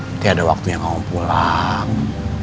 nanti ada waktu yang kamu pulang